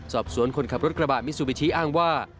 สอบสวนคนขับรถกระบะมิซูบิชิอ้างว่า